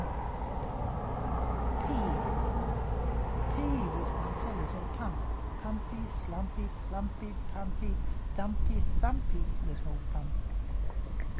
P p P was once a little pump, Pumpy, Slumpy, Flumpy, Pumpy, Dumpy, thumpy, Little pump!